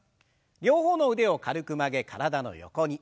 両方の腕を軽く曲げ体の横に。